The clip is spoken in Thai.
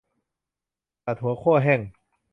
ตัดหัวคั่วแห้ง